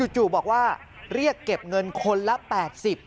จู่บอกว่าเรียกเก็บเงินคนละ๘๐บาท